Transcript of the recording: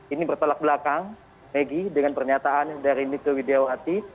ini bertolak belakang megi dengan pernyataan dari niko widewati